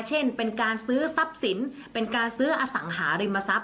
เช่นเป็นการซื้อทรัพย์สินเป็นการซื้ออสังหาริมทรัพย